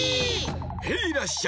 ヘイらっしゃい！